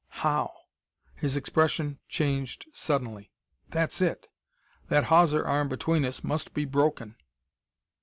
How " His expression changed suddenly. "That's it! That hawser arm between us must be broken!"